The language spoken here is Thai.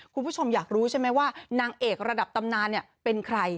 คุณผู้ชมอยากรู้ใช่ไหมว่านางเอกระดับตำนานเป็นใคร